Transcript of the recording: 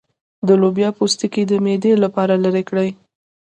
د لوبیا پوستکی د معدې لپاره لرې کړئ